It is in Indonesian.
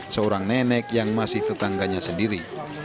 seorang nenek yang masih tetangganya sendiri